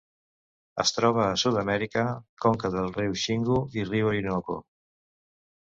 Es troba a Sud-amèrica: conca del riu Xingu i riu Orinoco.